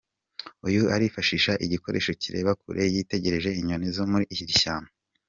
Uyu arifashisha igikoresho kireba kureba yitegereza inyoni zo muri iri shyamba.